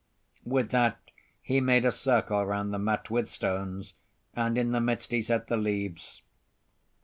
With that he made a circle round the mat with stones, and in the midst he set the leaves.